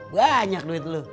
banyak duit lu